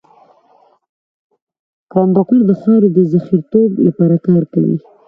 کروندګر د خاورې د زرخېزتوب لپاره کار کوي